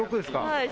はい。